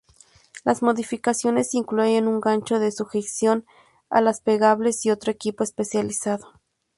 Las modificaciones incluían un gancho de sujeción, alas plegables y otro equipo especializado.